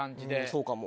そうかも。